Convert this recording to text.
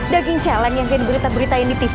daging celan yang kayak diberitain di tv